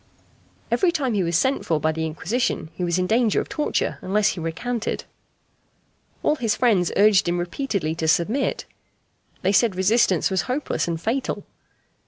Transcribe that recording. Every time he was sent for by the Inquisition he was in danger of torture unless he recanted. All his friends urged him repeatedly to submit. They said resistance was hopeless and fatal.